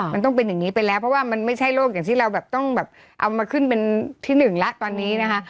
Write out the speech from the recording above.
มันต้องเป็นอย่างนี้ไปแล้วเพราะว่ามันไม่ใช่โรคอย่างที่เราแบบต้องแบบเอามาขึ้นเป็นที่หนึ่งแล้วตอนนี้นะคะ